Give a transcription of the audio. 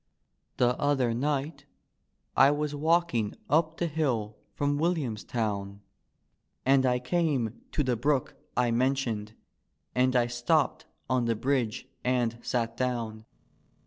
The other ni^t I was walking up the hill from Will iamstown And I came to the brook I mentioned, and I supped on the bridge and sat down.